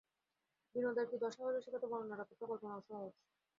বিনোদার কী দশা হইল সেকথা বর্ণনার অপেক্ষা কল্পনা সহজ।